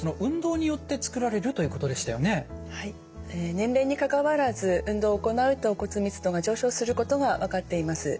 年齢にかかわらず運動を行うと骨密度が上昇することが分かっています。